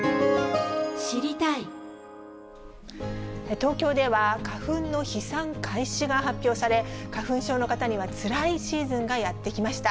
東京では花粉の飛散開始が発表され、花粉症の方にはつらいシーズンがやって来ました。